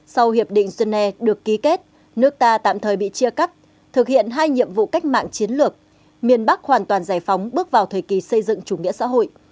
sau hiệp định genè được ký kết nước ta tạm thời bị chia cắt thực hiện hai nhiệm vụ cách mạng chiến lược miền bắc hoàn toàn giải phóng bước vào thời kỳ xây dựng chủ nghĩa xã hội